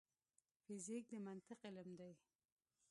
فزیک د منطق علم دی